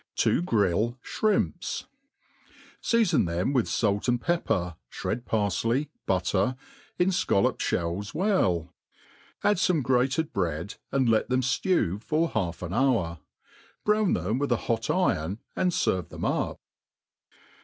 To grill Shrimps, SEASON them with fait and pepper, (bred parfley, butter, ia fcollop fhells well ; add fome grated bread, and let them ftew for half an hour. Brown them with a hot iron, and ferve them up.